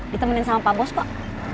ditemenin sama pak bos pak